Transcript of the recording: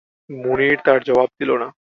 মুনির তার জবাব দিল না।